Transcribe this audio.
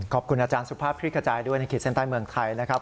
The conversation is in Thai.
ขอบคุณอาจารย์สุภาพคลิกกระจายด้วยในขีดเส้นใต้เมืองไทยนะครับ